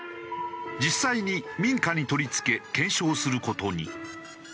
実際に民家に取り付け検証する事に。